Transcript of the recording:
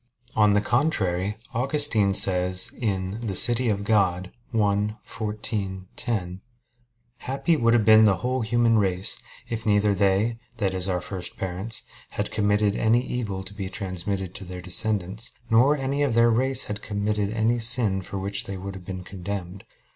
On the contrary, Augustine says (De Civ. Dei xiv, 10): "Happy would have been the whole human race if neither they that is our first parents had committed any evil to be transmitted to their descendants, nor any of their race had committed any sin for which they would have been condemned."